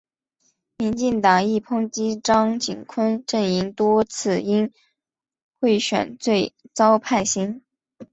民进党亦抨击张锦昆阵营多次因贿选罪遭判刑。